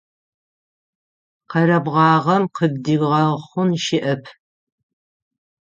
Къэрэбгъагъэм къыбдигъэхъун щыӏэп.